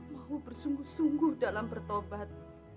mau bersungguh sungguh dalam bertobat